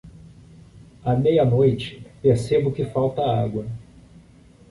À meia-noite percebo que falta água.